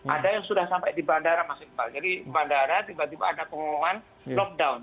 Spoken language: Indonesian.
ada yang sudah sampai di bandara mas iqbal jadi bandara tiba tiba ada pengumuman lockdown